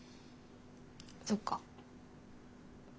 そっか。